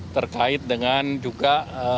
terkait dengan juga